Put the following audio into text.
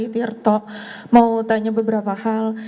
tirto mau tanya beberapa hal